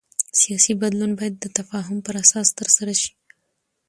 سیاسي بدلون باید د تفاهم پر اساس ترسره شي